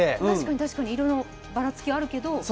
確かにいろいろばらつきあるけれど。